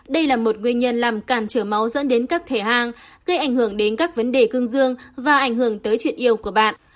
đây là một nguyên nhân làm cản trở máu dẫn đến các thể hàng gây ảnh hưởng đến các vấn đề cương dương và ảnh hưởng tới chuyện yêu của bạn